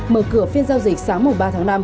mở cửa phiên giao dịch sáng mùng ba tháng năm